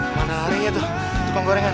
mana harinya tuh tukang gorengan